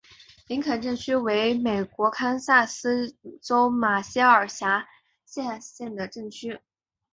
林肯镇区为美国堪萨斯州马歇尔县辖下的镇区。